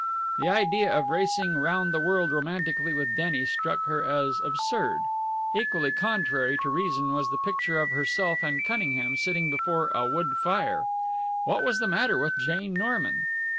The idea of racing round the world romantically with Denny struck her as absurd. Equally contrary to reason was the picture of herself and Cunningham sitting before a wood fire. What was the matter with Jane Norman?